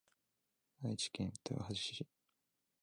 愛知県豊橋市